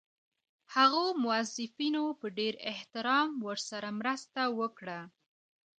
هغو موظفینو په ډېر احترام ورسره مرسته وکړه.